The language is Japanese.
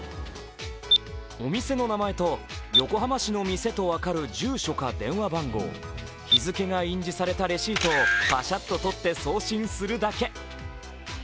お店の名前と横浜市の店と分かる住所か電話番号、日付だ印字されたレシートをバシャッと撮って送信するだけ。